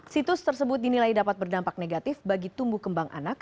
situs tersebut dinilai dapat berdampak negatif bagi tumbuh kembang anak